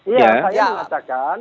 iya saya mengatakan